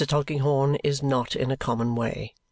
Tulkinghorn is not in a common way.